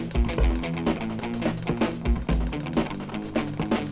kalo manis kayaknya lebih enak